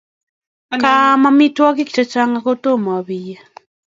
Ka am amitwogik chechang' ako tomo apiey.